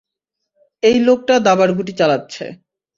এই লোকটা দাবার গুটি চালাচ্ছে।